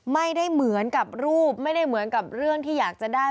ไม่ได้เหมือนกับรูปไม่ได้เหมือนกับเรื่องที่อยากจะได้